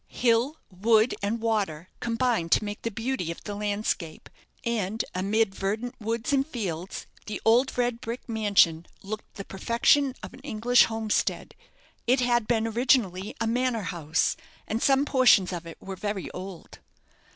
Hill, wood, and water combined to make the beauty of the landscape; and amid verdant woods and fields the old red brick mansion looked the perfection of an English homestead. It had been originally a manor house, and some portions of it were very old.